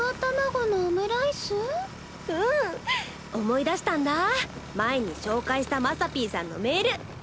思い出したんだぁ前に紹介したまさぴーさんのメール。